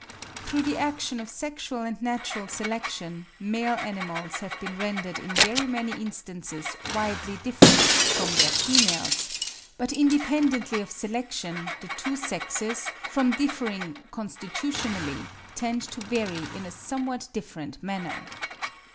Through the action of sexual and natural selection male animals have been rendered in very many instances widely different from their females; but independently of selection the two sexes, from differing constitutionally, tend to vary in a somewhat different manner.